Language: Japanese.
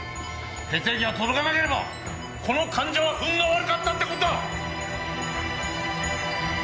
血液が届かなければこの患者は運が悪かったって事だ！